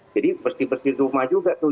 jadi bersih bersih rumah juga tuh